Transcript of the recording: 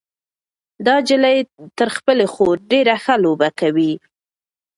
دا نجلۍ تر خپلې خور ډېره ښه لوبه کوي.